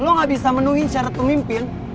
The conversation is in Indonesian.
lo gak bisa menuhi syarat pemimpin